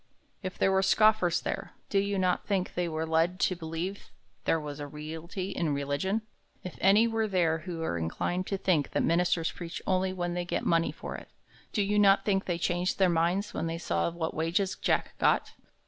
If there were scoffers there, do you not think they were led to believe there was a reality in religion? If any were there who were inclined to think that ministers preach only when they get money for it, do you not think they changed their minds when they saw what wages Jack got?